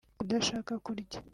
kudashaka kurya